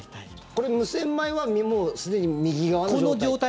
これ、無洗米はもうすでに右側の状態？